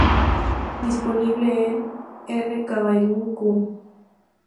Disponible en: "rcabaiguan.cu".